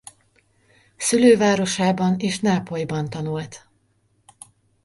Szülővárosában és Nápolyban tanult.